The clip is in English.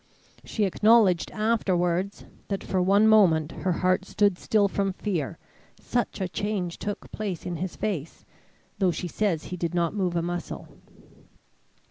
She acknowledged afterwards, that for one moment her heart stood still from fear, such a change took place in his face, though she says he did not move a muscle.